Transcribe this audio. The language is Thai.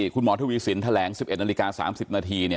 คุณหมอธวีสินทะแหลง๑๑น๓๐น